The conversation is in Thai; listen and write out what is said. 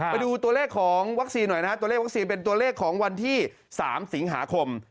ไปดูตัวเลขของวัคซีนหน่อยนะฮะตัวเลขวัคซีนเป็นตัวเลขของวันที่๓สิงหาคม